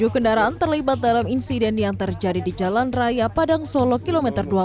tujuh kendaraan terlibat dalam insiden yang terjadi di jalan raya padang solo kilometer dua puluh